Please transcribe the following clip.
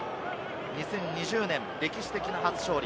２０２０年、歴史的な初勝利。